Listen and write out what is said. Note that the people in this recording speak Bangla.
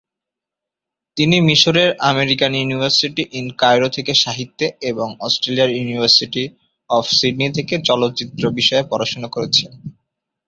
তিনি মিসরের আমেরিকান ইউনিভার্সিটি ইন কায়রো থেকে সাহিত্যে এবং অস্ট্রেলিয়ার ইউনিভার্সিটি অব সিডনি থেকে চলচ্চিত্র বিষয়ে পড়াশোনা করেছেন।